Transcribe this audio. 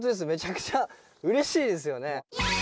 めちゃくちゃうれしいですよね。